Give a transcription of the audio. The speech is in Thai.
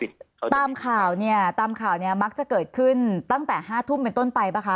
ตามข่าวเนี่ยตามข่าวเนี่ยมักจะเกิดขึ้นตั้งแต่ห้าทุ่มเป็นต้นไปป่ะค